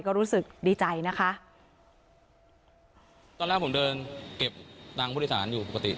ก็รู้สึกดีใจนะคะตอนแรกผมเดินเก็บตังค์ผู้โดยสารอยู่ปกติ